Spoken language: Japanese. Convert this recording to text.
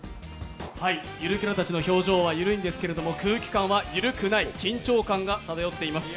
ゆるキャラたちの表情は緩いんですけども、空気感は緩くない、緊張感が漂っております。